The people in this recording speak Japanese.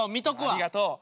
ありがとう。